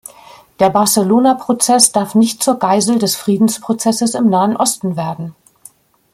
Der Barcelona-Prozess darf nicht zur Geisel des Friedensprozesses im Nahen Osten werden.